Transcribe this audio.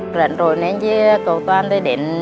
trong thời gian tới